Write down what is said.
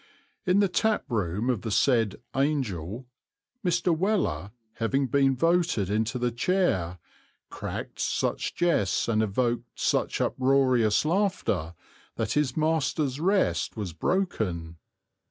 In the tap room of the said "Angel," Mr. Weller, having been voted into the chair, cracked such jests and evoked such uproarious laughter that his master's rest was broken.